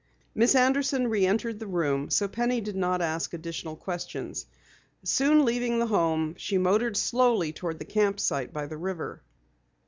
Miss Anderson re entered the room, so Penny did not ask additional questions. Soon leaving the Home, she motored slowly toward the camp site by the river.